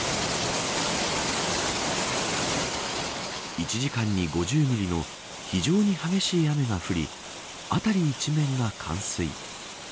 １時間に５０ミリの非常に激しい雨が降り辺り一面が冠水。